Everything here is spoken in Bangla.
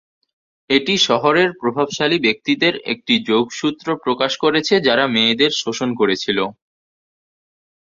এটি শহরের প্রভাবশালী ব্যক্তিদের একটি যোগসূত্র প্রকাশ করেছে যারা মেয়েদের শোষণ করেছিল।